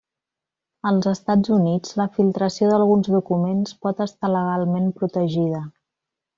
Als Estats Units, la filtració d'alguns documents pot estar legalment protegida.